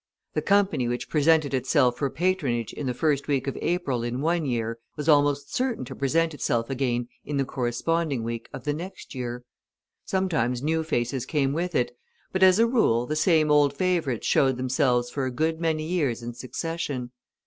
The company which presented itself for patronage in the first week of April in one year was almost certain to present itself again in the corresponding week of the next year. Sometimes new faces came with it, but as a rule the same old favourites showed themselves for a good many years in succession.